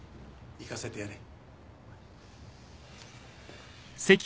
行かせてやれ。